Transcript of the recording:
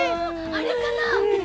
あれかなあ？